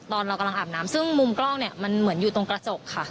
ตอนเรากำลังอาบน้ำซึ่งมุมกล้องเหมือนอยู่ตรงกระจกค่ะ